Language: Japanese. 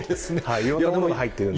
いろんなものが入っているので。